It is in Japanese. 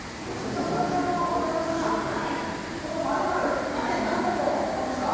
スタジオの渡辺さん、この○○、一体何だと思いますか？